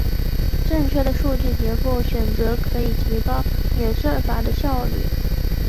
正确的数据结构选择可以提高演算法的效率。